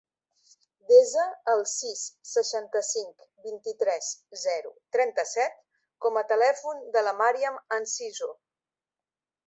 Desa el sis, seixanta-cinc, vint-i-tres, zero, trenta-set com a telèfon de la Màriam Enciso.